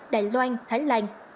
đài loan thái lan